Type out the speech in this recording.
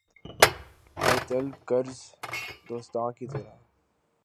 بے طلب قرض دوستاں کی طرح